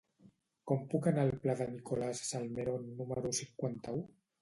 Com puc anar al pla de Nicolás Salmerón número cinquanta-u?